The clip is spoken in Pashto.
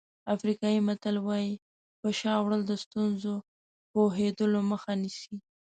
افریقایي متل وایي په شا وړل د ستونزو پوهېدلو مخه نیسي.